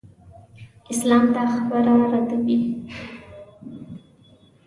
اسلام دا خبره ردوي.